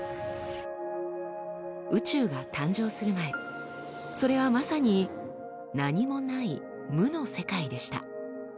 宇宙が誕生する前それはまさに何もない無の世界でした。